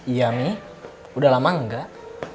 iya nih udah lama enggak